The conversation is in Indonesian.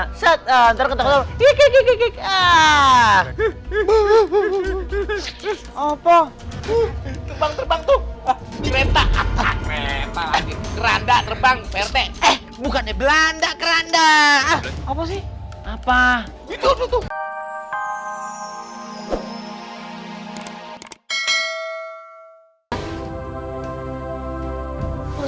terbang terbang terbang terbang eh bukan belanda keranda apa sih apa itu tuh